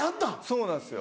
そうなんですよ。